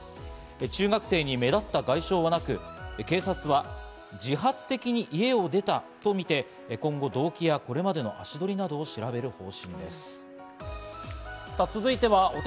中学生に目立った外傷はなく、警察は自発的に家を出たとみて、今後、動機やこれまでの足取りなどを調べる方針です。